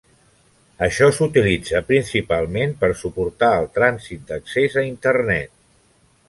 Això s'utilitza principalment per suportar el trànsit d'accés a Internet